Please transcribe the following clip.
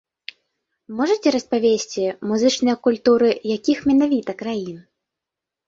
Можаце распавесці, музычныя культуры якіх менавіта краін?